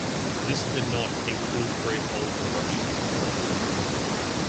This did not "include freehold production of coal".